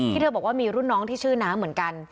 เธอบอกว่ามีรุ่นน้องที่ชื่อน้ำเหมือนกัน